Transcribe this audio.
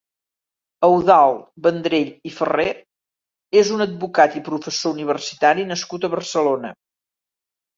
Eudald Vendrell i Ferrer és un advocat i professor universitari nascut a Barcelona.